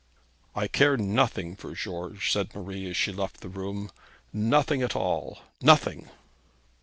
'I care nothing for George,' said Marie, as she left the room; 'nothing at all nothing.'